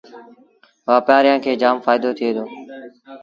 وآپآريآݩ کي جآم ڦآئيٚدو ٿئي دو